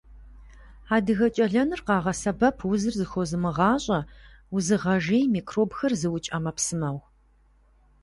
Адыгэкӏэлэныр къагъэсэбэп узыр зэхозымыгъащӏэ, узыгъэжей, микробхэр зыукӏ ӏэмэпсымэу.